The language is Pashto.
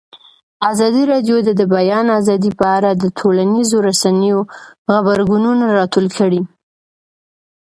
ازادي راډیو د د بیان آزادي په اړه د ټولنیزو رسنیو غبرګونونه راټول کړي.